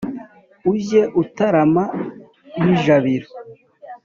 ujye utarama ijabiro.